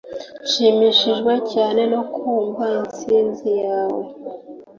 Nshimishijwe cyane no kumva intsinzi yawe